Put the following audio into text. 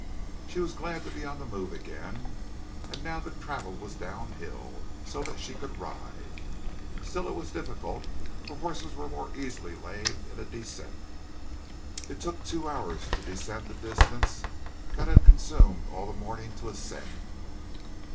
She was glad to be on the move again, and now the travel was downhill, so that she could ride. Still it was difficult, for horses were more easily lamed in a descent. It took two hours to descend the distance that had consumed all the morning to ascend.